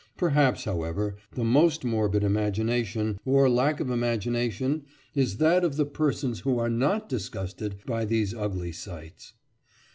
Perhaps, however, the most morbid imagination, or lack of imagination, is that of the persons who are not disgusted by these ugly sights.